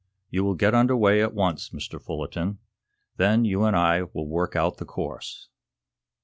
You will get under way at once, Mr. Fullerton. Then you and I will work out the course."